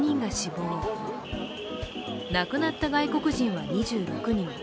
亡くなった外国人は２６人。